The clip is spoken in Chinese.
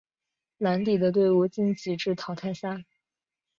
蓝底的队伍晋级至淘汰赛。